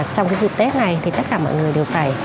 trong cái dịp tết này thì tất cả mọi người đều phải